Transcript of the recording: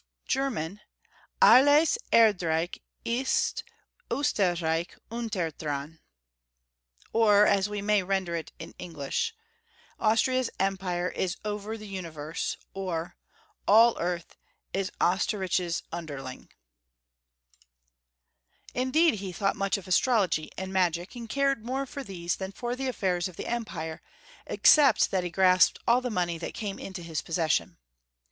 German — Alles erdreich ist Oesterreicli unthertban. Or, as we may render it in English — Austria's Empire is over [the] universe. or All earth is Oesterrich's underling. 246 Toung Folks' Biatory of Germany. Indeed he thought much of astrology and magic, and cared more for these than for the affairs of the Empire, except that he grasped all the money that came into his possession.